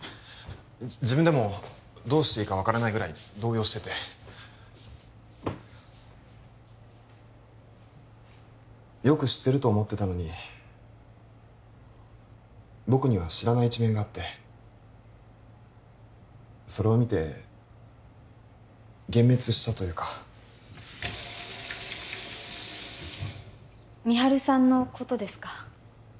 自分でもどうしていいか分からないぐらい動揺しててよく知ってると思ってたのに僕には知らない一面があってそれを見て幻滅したというか美晴さんのことですか？